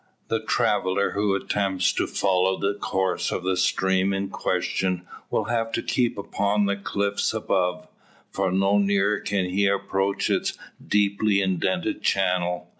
The traveller who attempts to follow the course of the stream in question will have to keep upon the cliffs above: for no nearer can he approach its deeply indented channel.